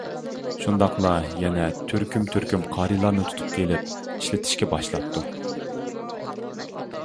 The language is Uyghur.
شۇنداقلا يەنە تۈركۈم تۈركۈم قارىلارنى تۇتۇپ كېلىپ ئىشلىتىشكە باشلاپتۇ.